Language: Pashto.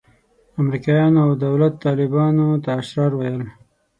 امریکایانو او دولت طالبانو ته اشرار ویل.